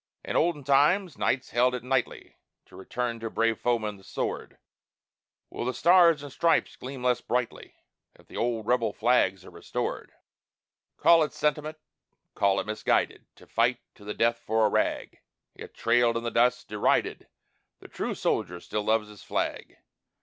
In olden times knights held it knightly To return to brave foemen the sword; Will the Stars and the Stripes gleam less brightly If the old Rebel flags are restored? Call it sentiment, call it misguided To fight to the death for "a rag"; Yet, trailed in the dust, derided, The true soldier still loves his flag!